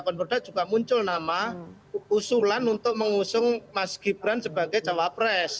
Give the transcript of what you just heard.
konverda juga muncul nama usulan untuk mengusung mas gibran sebagai cawapres